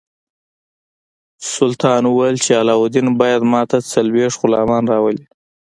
سلطان وویل چې علاوالدین باید ماته څلوېښت غلامان راولي.